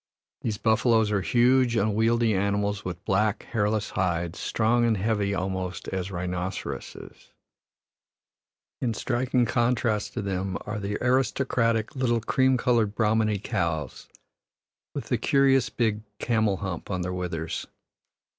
These buffaloes are huge, unwieldy animals with black, hairless hides, strong and heavy almost as rhinoceroses. In striking contrast to them are the aristocratic little cream colored Brahmani cows, with the curious big "camel hump" on their withers.